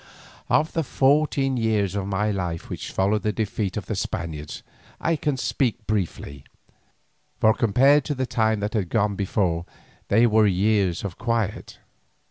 Of the fourteen years of my life which followed the defeat of the Spaniards I can speak briefly, for compared to the time that had gone before they were years of quiet.